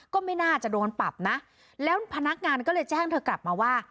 ก็ไม่น่าจะโดนปรับนะแล้วพนักงานก็เลยแจ้งเธอกลับมาว่า